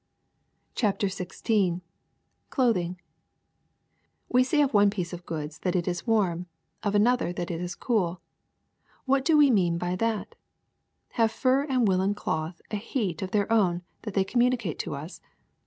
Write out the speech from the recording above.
'' CHAPTER XVI CLOTHING <*T If TE say of one piece of goods that it is warm, V V of another that it is cool. What do we mean by that? Have fur and woolen cloth a heat of their own that they communicate to us?